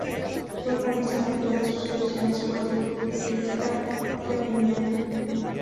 Fue organizada en todas sus ediciones por el Club Ciclista Sabiñánigo.